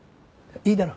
いいだろ？